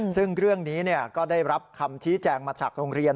ซึ่งเรื่องนี้ก็ได้รับคำชี้แจงมาจากโรงเรียน